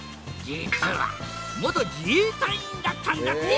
実は元自衛隊員だったんだって！